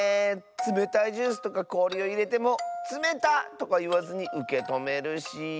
つめたいジュースとかこおりをいれても「つめた！」とかいわずにうけとめるし。